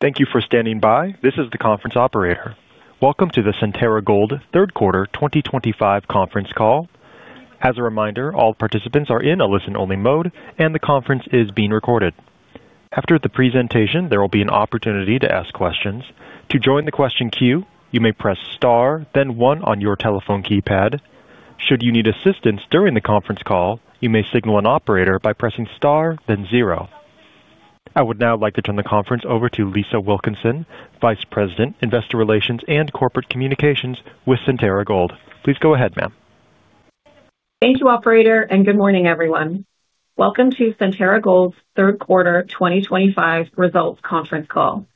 Thank you for standing by. This is the conference operator. Welcome to the Centerra Gold third quarter 2025 conference call. As a reminder, all participants are in a listen-only mode and the conference is being recorded. After the presentation, there will be an opportunity to ask questions. To join the question queue, you may press star then one on your telephone keypad. Should you need assistance during the conference call, you may signal an operator by pressing star then zero. I would now like to turn the conference over to Lisa Wilkinson, Vice President, Investor Relations and Corporate Communications with Centerra Gold. Please go ahead, ma'am. Thank you, operator, and good morning, everyone. Welcome to Centerra Gold's third quarter 2025 results conference call.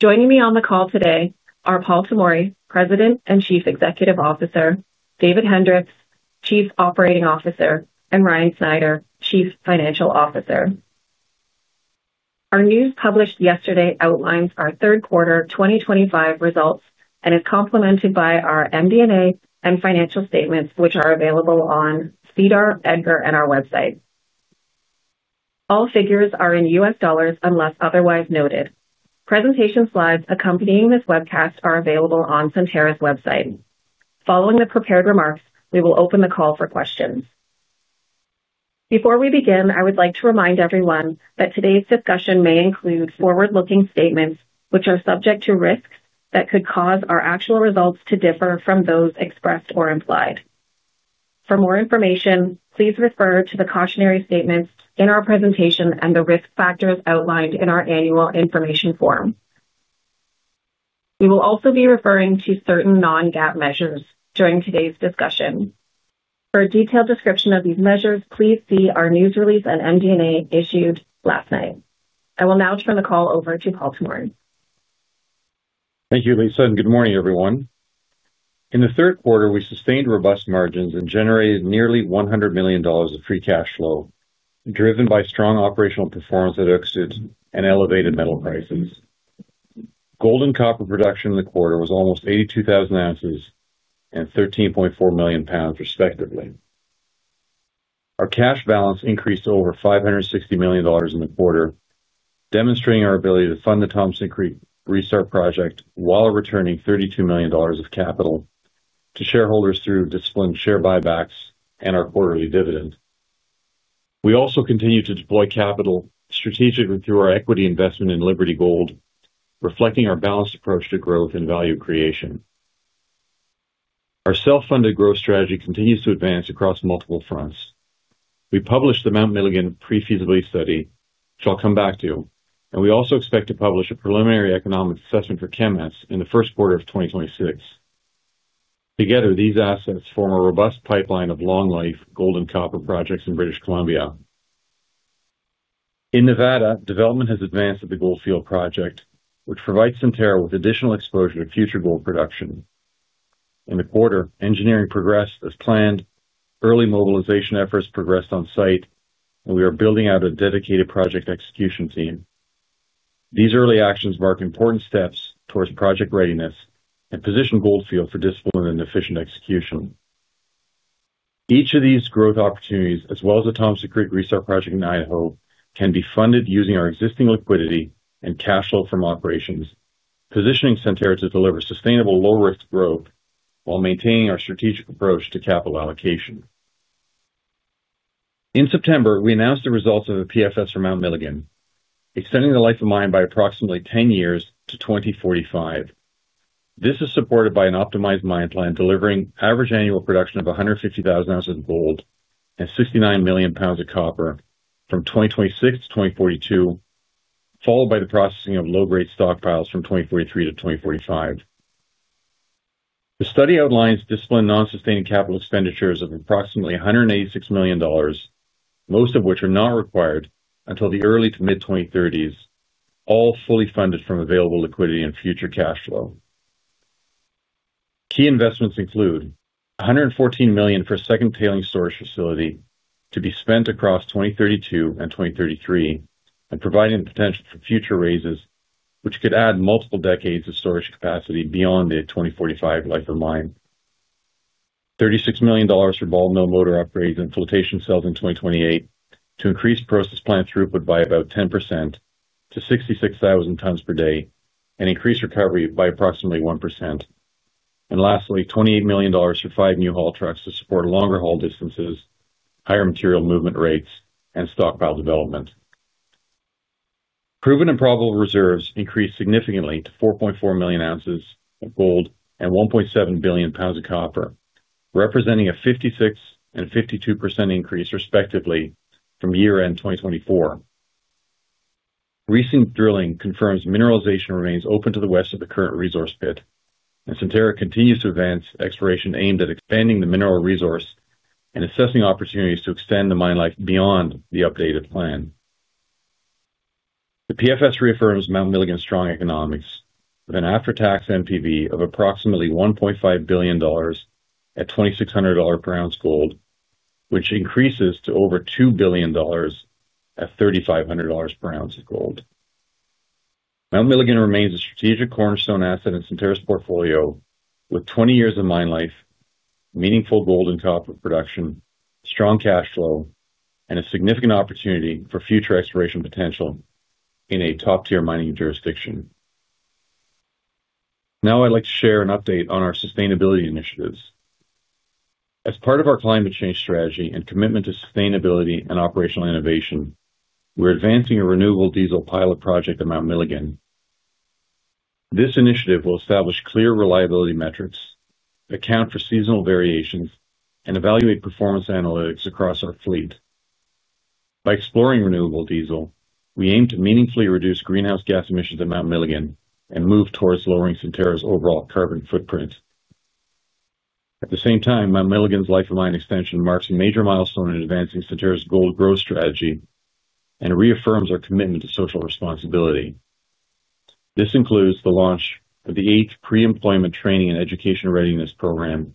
Joining me on the call today are Paul Tomory, President and Chief Executive Officer, David Hendriks, Chief Operating Officer, and Ryan Snyder, Chief Financial Officer. Our news published yesterday outlines our third quarter 2025 results and is complemented by our MD&A and financial statements, which are available on SEDAR, EDGAR, and our website. All figures are in U.S. Dollars unless otherwise noted. Presentation slides accompanying this webcast are available on Centerra's website. Following the prepared remarks, we will open the call for questions. Before we begin, I would like to remind everyone that today's discussion may include forward-looking statements, which are subject to risks that could cause our actual results to differ from those expressed or implied. For more information, please refer to the cautionary statements in our presentation and the risk factors outlined in our annual information form. We will also be referring to certain non-GAAP measures during today's discussion. For a detailed description of these measures, please see our news release and MD&A issued last night. I will now turn the call over to Paul Tomory. Thank you, Lisa, and good morning, everyone. In the third quarter, we sustained robust margins and generated nearly $100 million of free cash flow, driven by strong operational performance that exited and elevated metal prices. Gold and copper production in the quarter was almost 82,000 ounces and 13.4 lbs million, respectively. Our cash balance increased to over $560 million in the quarter, demonstrating our ability to fund the Thompson Creek Restart project while returning $32 million of capital to shareholders through disciplined share buybacks and our quarterly dividend. We also continue to deploy capital strategically through our equity investment in Liberty Gold, reflecting our balanced approach to growth and value creation. Our self-funded growth strategy continues to advance across multiple fronts. We published the Mount Milligan Pre-Feasibility Study, which I'll come back to, and we also expect to publish a preliminary economic assessment for Kemess in the first quarter of 2026. Together, these assets form a robust pipeline of long-life gold and copper projects in British Columbia and Nevada. Development has advanced at the Goldfield Project, which provides Centerra with additional exposure to future gold production in the quarter. Engineering progressed as planned, early mobilization efforts progressed on site, and we are building out a dedicated project execution team. These early actions mark important steps towards project readiness and position Goldfield for disciplined and efficient execution. Each of these growth opportunities, as well as the Thompson Creek Restart project in Idaho, can be funded using our existing liquidity and cash flow from operations, positioning Centerra to deliver sustainable, low-risk growth while maintaining our strategic approach to capital allocation. In September, we announced the results of a PFS from Mount Milligan, extending the life of mine by approximately 10 years to 2045. This is supported by an optimized mine plan delivering average annual production of 150,000 ounces of gold and 69 lbs million of copper from 2026-2042, followed by the processing of low-grade stockpiles from 2043-2045. The study outlines disciplined non-sustaining capital expenditures of approximately $186 million, most of which are not required until the early to mid-2030s, all fully funded from available liquidity and future cash flow. Key investments include $114 million for a second tailings storage facility to be spent across 2032 and 2033, providing potential for future raises which could add multiple decades of storage capacity beyond the 2045 life of mine, $36 million for ball mill motor upgrades and flotation cells in 2028 to increase process plant throughput by about 10% to 66,000 tons per day and increase recovery by approximately 1%, and lastly $28 million for five new haul trucks to support longer haul distances, higher material movement rates, and stockpile development. Proven and probable reserves increased significantly to 4.4 million ounces of gold and 1.7 billion pounds of copper, representing a 56% and 52% increase respectively from year-end 2024. Recent drilling confirms mineralization remains open to the West of the current resource pit and Centerra continues to advance exploration aimed at expanding the mineral resource and assessing opportunities to extend the mine life beyond the updated plan. The PFS reaffirms Mount Milligan's strong economics with an after-tax NPV of approximately $1.5 billion at $2,600 per ounce gold, which increases to over $2 billion at $3,500 per ounce of gold. Mount Milligan remains a strategic cornerstone asset in Centerra's portfolio with 20 years of mine life, meaningful gold and copper production, strong cash flow, and a significant opportunity for future exploration potential in a top-tier mining jurisdiction. Now I'd like to share an update on our sustainability initiatives. As part of our climate change strategy and commitment to sustainability and operational innovation, we're advancing a renewable diesel pilot project at Mount Milligan. This initiative will establish clear reliability metrics, account for seasonal variations, and evaluate performance analytics across our fleet. By exploring renewable diesel, we aim to meaningfully reduce greenhouse gas emissions at Mount Milligan and move towards lowering Centerra's overall carbon footprint. At the same time, Mount Milligan's life of mine extension marks a major milestone in advancing Centerra's gold growth strategy and reaffirms our commitment to social responsibility. This includes the launch of the 8th Pre-Employment Training and Education Readiness Program,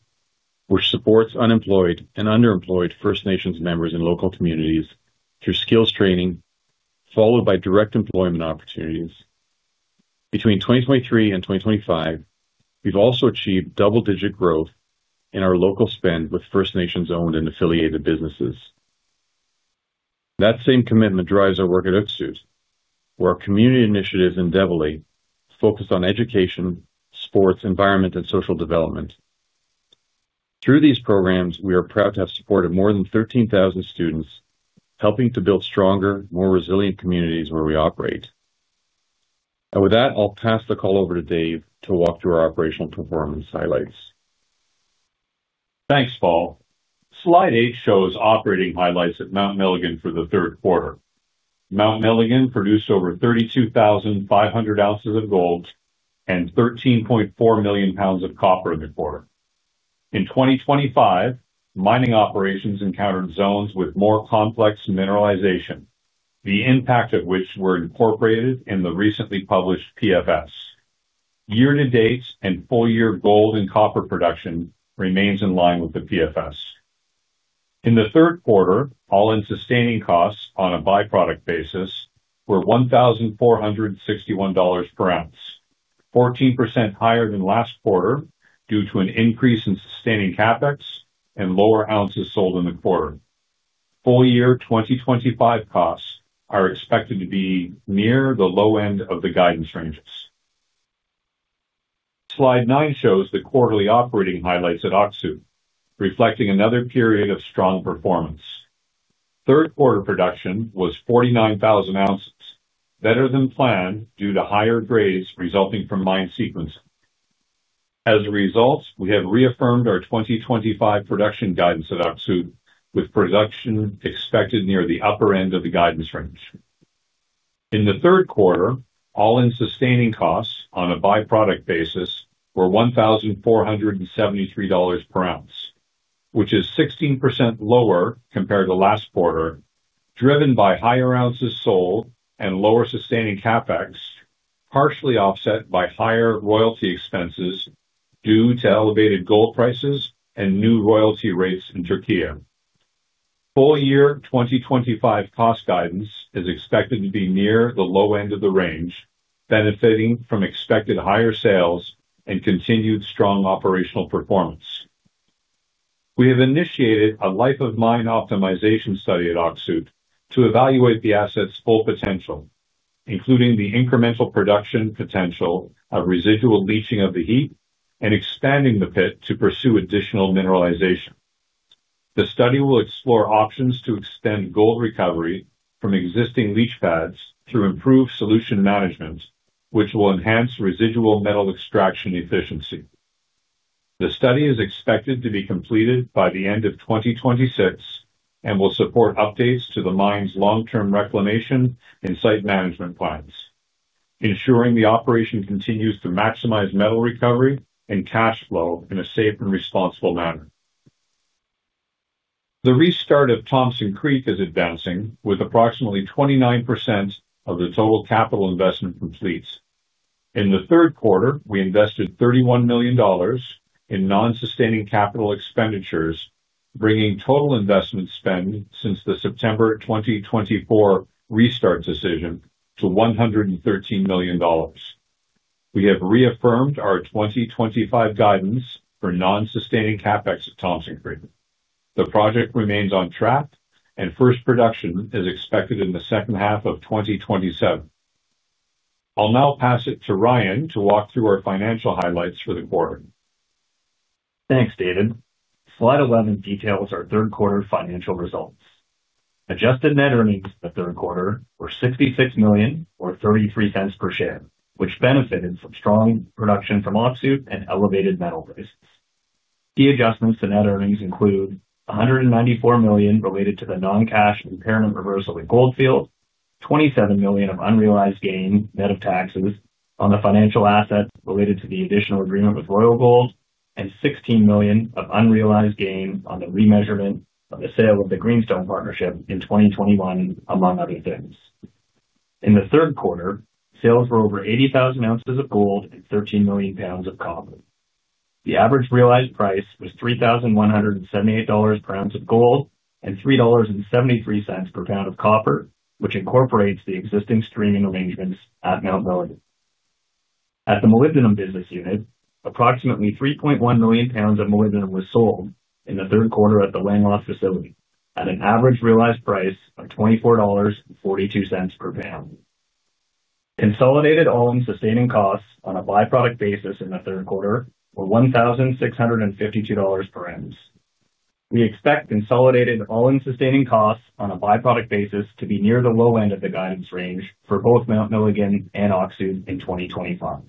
which supports unemployed and underemployed First Nations members in local communities through skills training followed by direct employment opportunities between 2023 and 2025. We've also achieved double-digit growth in our local spend with First Nations owned and affiliated businesses. That same commitment drives our work at Öksüt, where our community initiatives are focused on education, sports, environment, and social development. Through these programs, we are proud to have supported more than 13,000 students, helping to build stronger, more resilient communities where we operate. With that, I'll pass the call over to Dave to walk through our operational performance highlights. Thanks Paul. Slide eight shows operating highlights at Mount Milligan for the third quarter. Mount Milligan produced over 32,500 ounces of gold and 13.4 million pounds of copper in the quarter. In 2025, mining operations encountered zones with more complex mineralization, the impact of which were incorporated in the recently published PFS. Year to date and full year gold and copper production remains in line with the PFS. In the third quarter, all-in sustaining costs on a byproduct basis were $1,461 per ounce, 14% higher than last quarter due to an increase in sustaining CapEx and lower ounces sold in the quarter. Full year 2025 costs are expected to be near the low end of the guidance ranges. Slide nine shows the quarterly operating highlights at Öksüt reflecting another period of strong performance. Third quarter production was 49,000 ounces, better than planned due to higher grades resulting from mine sequencing. As a result, we have reaffirmed our 2025 production guidance at Öksüt with production expected near the upper end of the guidance range. In the third quarter, all-in sustaining costs on a byproduct basis were $1,473 per ounce, which is 16% lower compared to last quarter, driven by higher ounces sold and lower sustaining CapEx, partially offset by higher royalty expenses due to elevated gold prices and new royalty rates in Turkey. Full year 2025 cost guidance is expected to be near the low end of the range, benefiting from expected higher sales and continued strong operational performance. We have initiated a life-of-mine optimization study at Öksüt to evaluate the asset's full potential, including the incremental production potential of residual leaching of the heap and expanding the pit to pursue additional mineralization. The study will explore options to extend gold recovery from existing leach pads through improved solution management, which will enhance residual metal extraction efficiency. The study is expected to be completed by the end of 2026 and will support updates to the mine's long-term reclamation and site management plans, ensuring the operation continues to maximize metal recovery and cash flow in a safe and responsible manner. The restart of Thompson Creek is advancing with approximately 29% of the total capital investment complete. In the third quarter, we invested $31 million in non-sustaining capital expenditures, bringing total investment spend since the September 2024 restart decision to $113 million. We have reaffirmed our 2025 guidance for non-sustaining CapEx at Thompson Creek. The project remains on track and first production is expected in the second half of 2027. I'll now pass it to Ryan to walk through our financial highlights for the quarter. Thanks, David. Slide 11 details our third quarter financial results. Adjusted net earnings in the third quarter were $66 million, or $0.33 per share, which benefited from strong production from Öksüt and elevated metal prices. The adjustments to net earnings include $194 million related to the non-cash impairment reversal in Goldfield, $27 million of unrealized gain, net of taxes, on the financial assets related to the additional agreement with Royal Gold, and $16 million of unrealized gain on the remeasurement of the sale of the Greenstone Partnership in 2021 among other things. In the third quarter, sales were over 80,000 ounces of gold and 13 million lbs of copper. The average realized price was $3,178 per ounce of gold and $3.73 per pound of copper, which incorporates the existing streaming arrangements at Mount Milligan. At the Molybdenum Business Unit, approximately 3.1 million lbs of molybdenum was sold in the third quarter at the Langeloth Facility at an average realized price of $24.42 per pound. Consolidated all-in sustaining costs on a byproduct basis in the third quarter were $1,652 per ounce. We expect consolidated all-in sustaining costs on a byproduct basis to be near the low end of the guidance range for both Mount Milligan and Öksüt in 2025.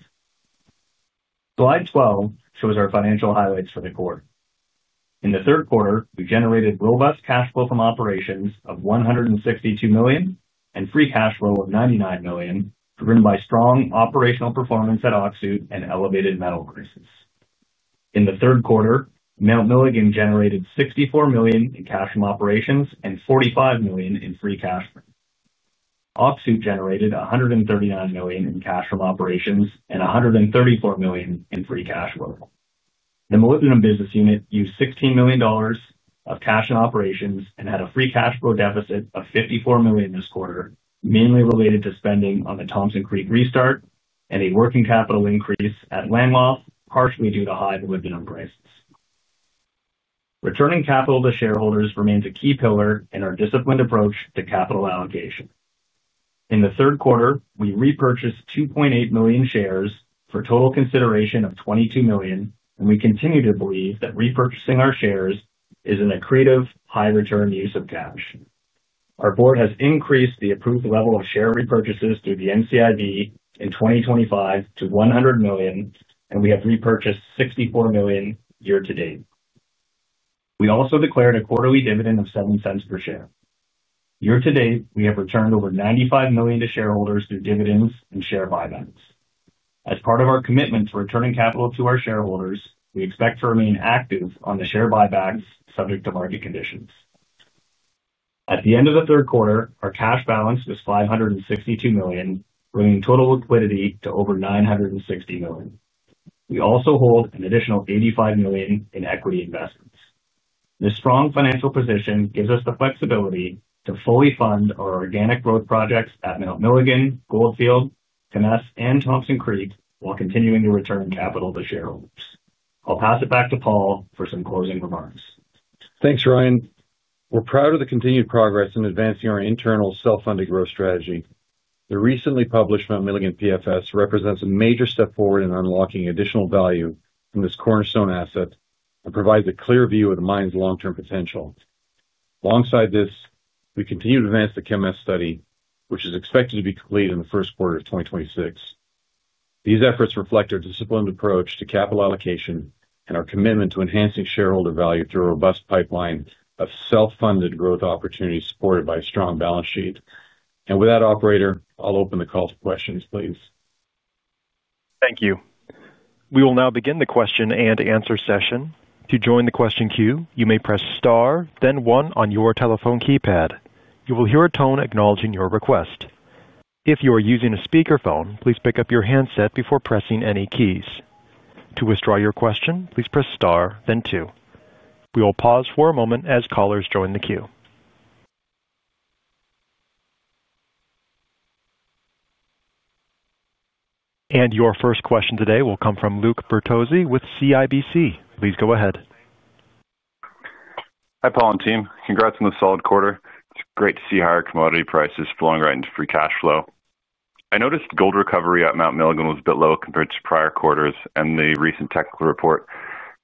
Slide 12 shows our financial highlights for the quarter. In the third quarter, we generated robust cash flow from operations of $162 million and free cash flow of $99 million, driven by strong operational performance at Öksüt and elevated metal prices. In the third quarter, Mount Milligan generated $64 million in cash from operations and $45 million in free cash. Öksüt generated $139 million in cash from operations and $134 million in free cash flow. The Molybdenum Business Unit used $16 million of cash in operations and had a free cash flow deficit of $54 million this quarter, mainly related to spending on the Thompson Creek Restart and a working capital increase at Langeloth, partially due to high prices. Returning capital to shareholders remains a key pillar in our disciplined approach to capital allocation. In the third quarter, we repurchased 2.8 million shares for total consideration of $22 million, and we continue to believe that repurchasing our shares is an accretive, high-return use of cash. Our Board has increased the approved level of share repurchases through the NCIB in 2025 to $100 million, and we have repurchased $64 million year to date. We also declared a quarterly dividend of $0.07 per share. Year to date we have returned over $95 million to shareholders through dividends and share buybacks. As part of our commitment to returning capital to our shareholders, we expect to remain active on the share buybacks subject to market conditions. At the end of the third quarter our cash balance was $562 million, bringing total liquidity to over $960 million. We also hold an additional $85 million in equity investments. This strong financial position gives us the flexibility to fully fund our organic growth projects at Mount Milligan, Goldfield, Kemess, and Thompson Creek while continuing to return capital to shareholders. I'll pass it back to Paul for some closing remarks. Thanks, Ryan. We're proud of the continued progress in advancing our internal self-funded growth strategy. The recently published Mount Milligan PFS represents a major step forward in unlocking additional value from this cornerstone asset and provides a clear view of the mine's long-term potential. Alongside this, we continue to advance the Kemess study, which is expected to be complete in the first quarter of 2026. These efforts reflect our disciplined approach to capital allocation and our commitment to enhancing shareholder value through a robust pipeline of self-funded growth opportunities supported by a strong balance sheet. With that, operator, I'll open the call for questions, please. We will now begin the question and answer session. To join the question queue, you may press star then one on your telephone keypad. You will hear a tone acknowledging your request. If you are using a speakerphone, please pick up your handset before pressing any keys. To withdraw your question, please press star then two. We will pause for a moment as callers join the queue, and your first question today will come from Luke Bertozzi with CIBC. Please go ahead. Hi Paul and team, congrats on the solid quarter. It's great to see higher commodity prices flowing right into free cash flow. I noticed gold recovery at Mount Milligan was a bit low compared to prior quarters and the recent technical report.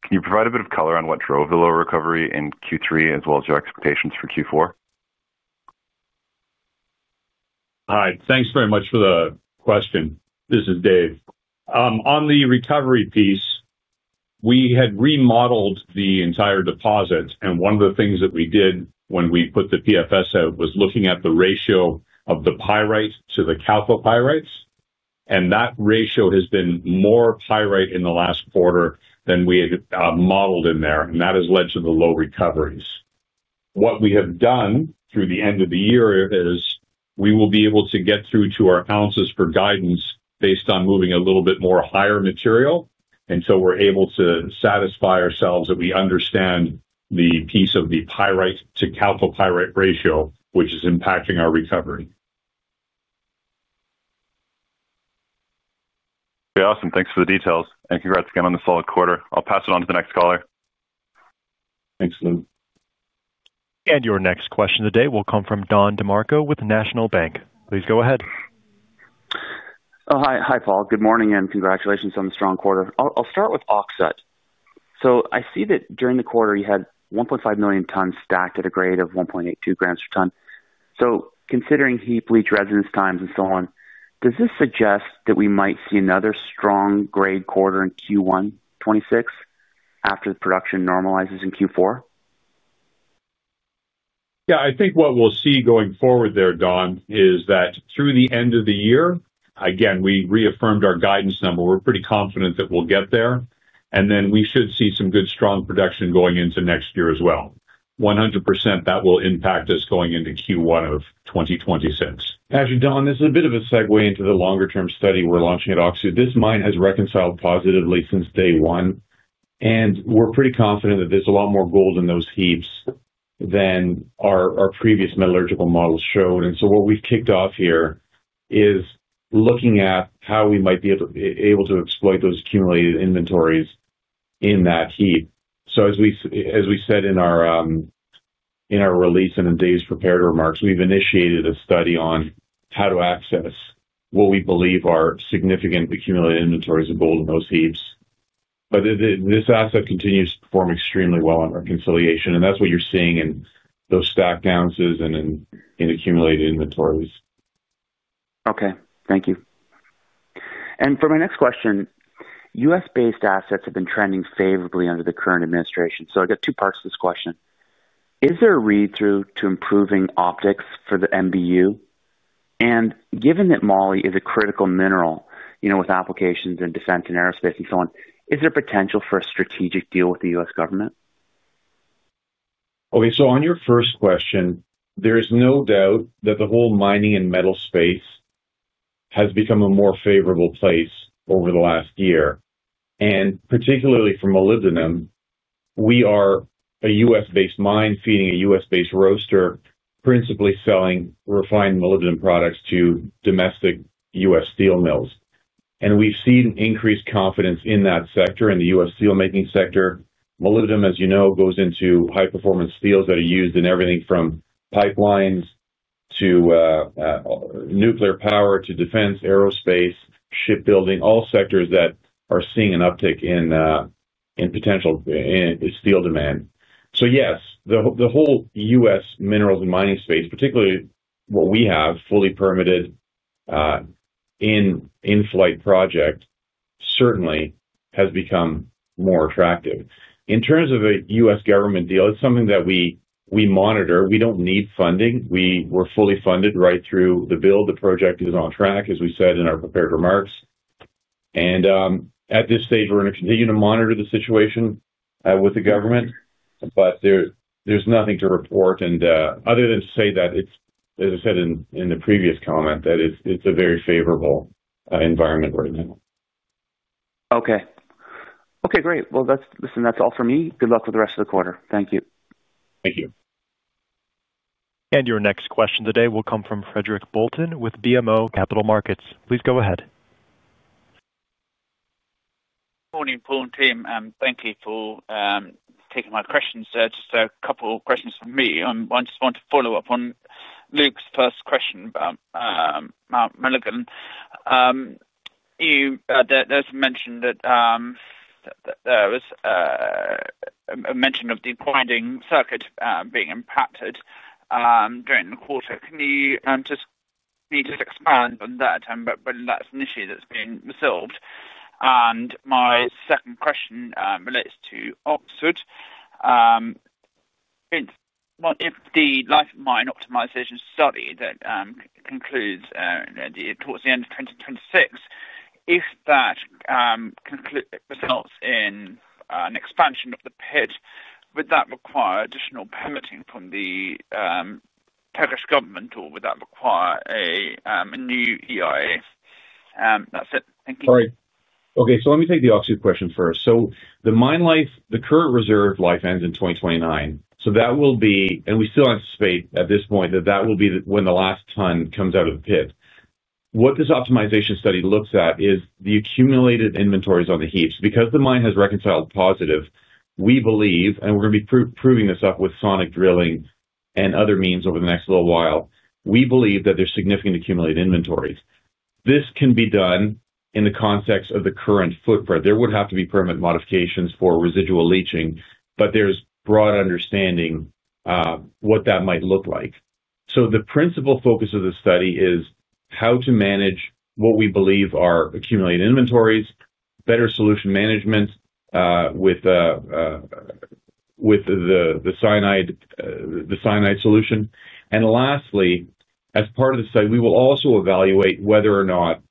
Can you provide a bit of color on what drove the lower recovery in Q3 as well as your expectations for Q4? Hi, thanks very much for the question. This is Dave. On the recovery piece, we had remodeled the entire deposit and one of the things that we did when we put the PFS out was looking at the ratio of the pyrite to the chalcopyrite, and that ratio has been more pyrite in the last quarter than we had modeled in there, and that has led to the low recoveries. What we have done through the end of the year is we will be able to get through to our ounces for guidance based on moving a little bit more higher material until we're able to satisfy ourselves that we understand the piece of the pyrite to chalcopyrite ratio which is impacting our recovery. Awesome. Thanks for the details and congrats again on the solid quarter. I'll pass it on to the next caller. Thanks Luke. Your next question of the day will come from Don DeMarco with National Bank. Please go ahead. Hi Paul, good morning and congratulations on the strong quarter. I'll start with Öksüt. I see that during the quarter you had 1.5 million tons stacked at a grade of 1.82 g/t. Considering heap leach residence times and so on, does this suggest that we might see another strong grade quarter in Q1 2026 after the production normalizes in Q4? Yeah, I think what we'll see going forward there, Don, is that through the end of the year, again, we reaffirmed our guidance number. We're pretty confident that we'll get there, and then we should see some good strong production going into next year as well. 100% that will impact us going into Q1 of 2026. As you know, this is a bit of a segue into the longer term study we're launching at Öksüt. This mine has reconciled positively since day one, and we're pretty confident that there's a lot more gold in those heaps than our previous metallurgical models showed. What we've kicked off here is looking at how we might be able to exploit those accumulated inventories in that heap. As we said in our release and in Dave's prepared remarks, we've initiated a study on how to access what we believe are significant accumulated inventories of gold in those heaps. This asset continues to perform extremely well on reconciliation, and that's what you're seeing in those stacked ounces and in accumulated inventories. Okay, thank you. For my next question, U.S.-based assets have been trending favorably under the current administration. I have two parts to this question. Is there a read through to improving optics for the MBU? Given that molybdenum is a critical mineral, you know, with applications in defense and aerospace and so on, is there potential for a strategic deal with the U.S. government? Okay, so on your first question, there is no doubt that the whole mining and metal space has become a more favorable place over the last year and particularly for molybdenum. We are a U.S.-based mine feeding a U.S.-based roaster, principally selling refined molybdenum products to domestic U.S. steel mills. We've seen increased confidence in that sector, in the U.S. steelmaking sector. Molybdenum, as you know, goes into high performance steels that are used in everything from pipelines to nuclear power to defense, aerospace, shipbuilding, all sectors that are seeing an uptick in potential steel demand. Yes, the whole U.S. minerals and mining space, particularly what we have, a fully permitted in-flight project, certainly has become more attractive. In terms of a U.S. government deal, it's something that we monitor. We don't need funding. We were fully funded right through the build. The project is on track, as we said in our prepared remarks. At this stage we're going to continue to monitor the situation with the government, but there's nothing to report other than to say that it's, as I said in the previous comment, a very favorable environment right now. Okay, great. That's all for me. Good luck with the rest of the quarter. Thank you. Thank you. And your next question today will come from Frederic Bolton with BMO Capital Markets. Please go ahead. Morning, Paul and team, and thank you for taking my questions. Just a couple questions from me. I just want to follow up on Luke's first question about Mount Milligan. You mentioned that there was a mention of the winding circuit being impacted during the quarter. Can you just expand on that? That's an issue that's been resolved. My second question relates to Öksüt. If the life-of-mine optimization study that concludes towards the end of 2026 results in an expansion of the PID, would that require additional permitting from the Turkish government or would that require a new EIA? That's it. Thank you. All right. Okay, let me take the auxiliary question first. The mine life, the current reserve life ends in 2029. We still anticipate at this point that that will be when the last ton comes out of the pit. What this optimization study looks at is the accumulated inventories on the heaps because the mine has reconciled positive, we believe. We are going to be proving this up with sonic drilling and other means over the next little while, we believe that there's significant accumulated inventories. This can be done in the context of the current footprint. There would have to be permit modifications for residual leaching, but there's broad understanding what that might look like. The principal focus of the study is how to manage what we believe are accumulated inventories. Better solution management with the cyanide solution. Lastly, as part of the study, we will also evaluate whether or not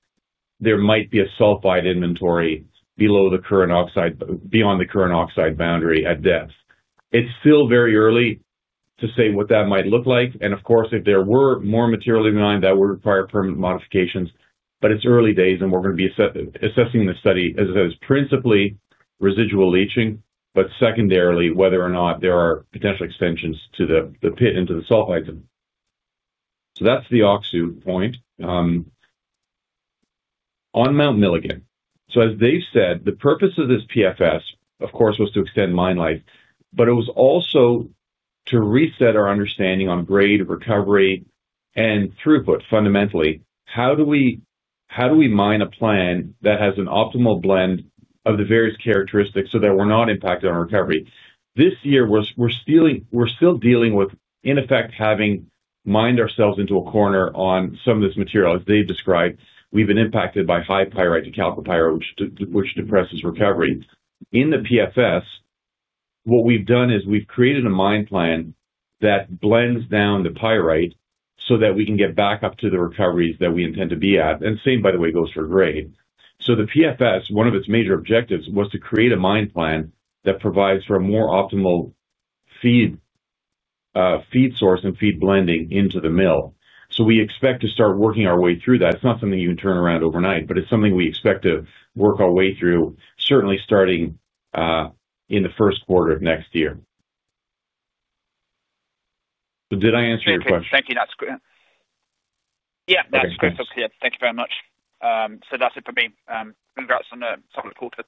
there might be a sulfide inventory below the current oxide, beyond the current oxide boundary at depth. It's still very early to say what that might look like. If there were more material behind, that would require permit modifications. It's early days and we're going to be assessing the study as principally residual leaching, but secondarily whether or not there are potential extensions to the pit into the sulfide too. That's the Öksüt point. On Mount Milligan. The purpose of this PFS, of course, was to extend mine life, but it was also to reset our understanding on grade recovery and throughput. Fundamentally, how do we mine a plan that has an optimal blend of the various characteristics so that we're not impacted on recovery? This year, we're still dealing with it effect, having mined ourselves into a corner on some of this material, as they described, we've been impacted by high pyrite to calculate which depresses recovery. In the PFS, what we've done is we've created a mine plan that blends down the pyrite so that we can get back up to the recoveries that we intend to be at. The same, by the way, goes for grade. The PFS, one of its major objectives was to create a mine plan that provides for a more optimal feed, feed source, and feed blending into the mill. We expect to start working our way through that. It's not something you can turn around overnight, it's something we expect to work our way through, certainly starting in the first quarter of next year. Did I answer your question? Thank you. That's good. Yeah, that's crystal clear. Thank you very much. That's it for me. Congrats on some of the cool tips.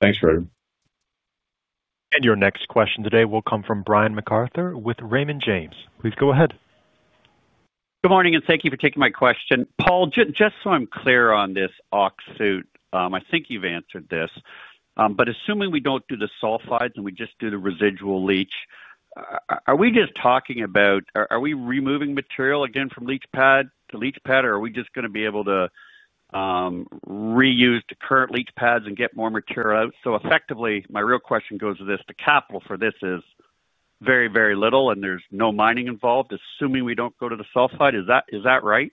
Thanks Frederic. Your next question today will come from Brian MacArthur with Raymond James. Please go ahead. Good morning and thank you for taking my question. Paul, just so I'm clear on this Öksüt, I think you've answered this, but assuming we don't do the sulfides and we just do the residual leach, are we just talking about are we removing material again from leach pad, or are we just going to be able to reuse the current leach pads and get more material out? Effectively, my real question goes to this. The capital for this is very, very little, and there's no mining involved. Assuming we don't go to the sulfide, is that right?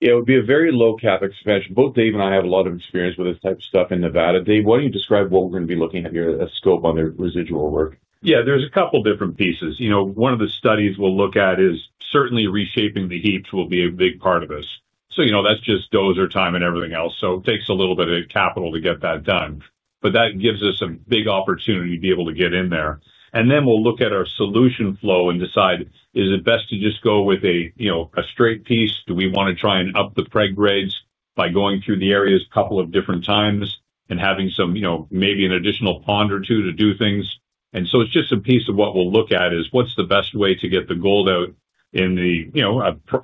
It would be a very low CapEx expense. Both Dave and I have a lot of experience with this type of stuff in Nevada. Dave, why don't you describe what we're going to be looking at here as scope on their residual work. There's a couple different pieces. One of the studies we'll look at is certainly reshaping the heaps, which will be a big part of this. That's just dozer time and everything else. It takes a little bit of capital to get that done, but that gives us a big opportunity to be able to get in there. We'll look at our solution flow and decide if it is best to just go with a straight piece. Do we want to try and up the preg grades by going through the areas a couple of different times and having maybe an additional pond or two to do things? It's just a piece of what we'll look at, which is what's the best way to get the gold out in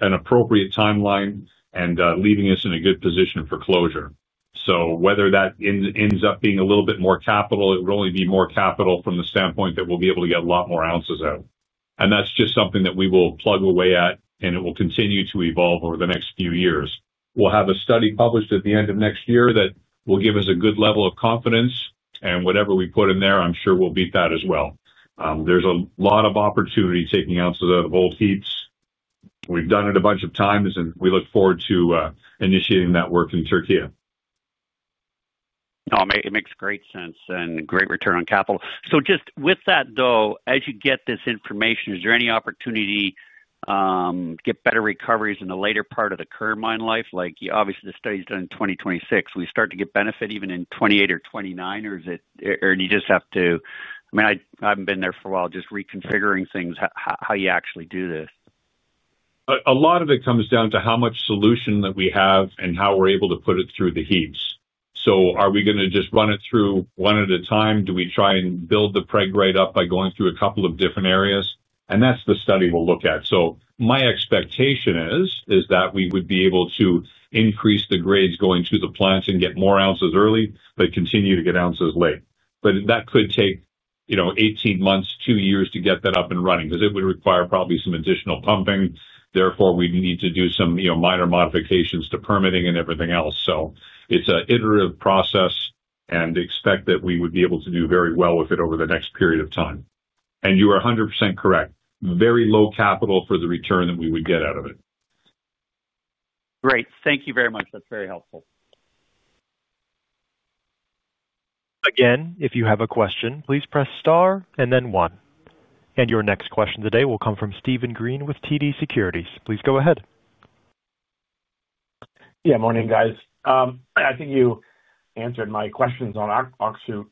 an appropriate timeline and leaving us in a good position for closure. Whether that ends up being a little bit more capital, it would only be more capital from the standpoint that we'll be able to get a lot more ounces out. That's just something that we will plug away at and it will continue to evolve over the next few years. We'll have a study published at the end of next year that will give us a good level of confidence, and whatever we put in there, I'm sure we'll beat that as well. There's a lot of opportunity taking ounces out of old heaps. We've done it a bunch of times and we look forward to initiating that work in Turkey. It makes great sense and great return on capital. Just with that though, as you get this information, is there any opportunity to get better recoveries in the later part of the current mine life? Obviously the study's done in 2026. We start to get benefit even in 2028 or 2029. Or do you just have to. I haven't been there for a while, just reconfiguring things, how you actually do this. A lot of it comes down to how much solution that we have and how we're able to put it through the heaps. Are we going to just run it through one at a time? Do we try and build the preg right up by going through a couple of different areas? That's the study we'll look at. My expectation is that we would be able to increase the grades going to the plants and get more ounces early that continue to get ounces late. That could take, you know, 18 months, two years to get that up and running because it would require probably some additional pumping. Therefore, we need to do some minor modifications to permitting and everything else. It's an iterative process and expect that we would be able to do very well with it over the next period of time. You are 100% correct. Very low capital for the return that we would get out of it. Great, thank you very much. That's very helpful. If you have a question, please press star and then one. Your next question today will come from Steven Green with TD Securities. Please go ahead. Yeah, morning guys. I think you answered my questions on Öksüt.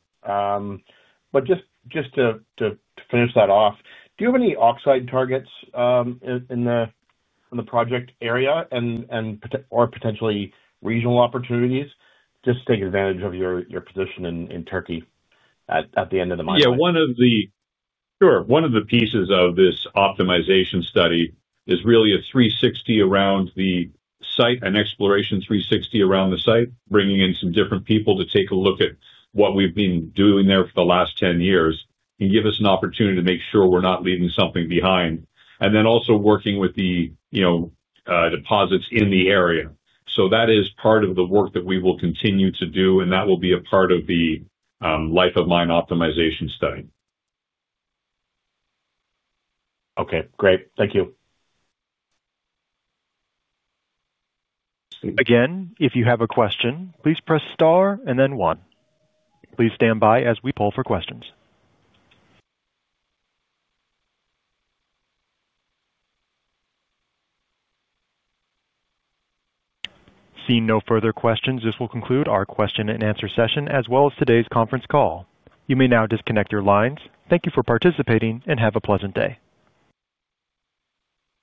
To finish that off, do you have any oxide targets in the project area or potentially regional opportunities to take advantage of your position in Turkey at the end of the month? Yeah, one of the. Sure. One of the pieces of this optimization study is really a 360 around the site and exploration. 360 around the site, bringing in some different people to take a look at what we've been doing there for the last 10 years and give us an opportunity to make sure we're not leaving something behind. Also, working with the deposits in the area. That is part of the work that we will continue to do, and that will be a part of the life-of-mine optimization study. Okay, great. Thank you. If you have a question, please press star and then one. Please stand by as we poll for questions. Seeing no further questions, this will conclude our question and answer session as well as today's conference call. You may now disconnect your lines. Thank you for participating and have a pleasant day.